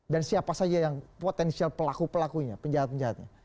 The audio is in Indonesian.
dan siapa saja yang potensial pelaku pelakunya penjahat penjahatnya